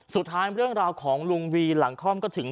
สุดท้ายเรื่องราวของลุงวีร์หลังคล่อม